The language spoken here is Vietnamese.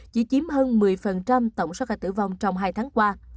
chỉ chiếm hơn một mươi tổng số ca tử vong trong hai tháng qua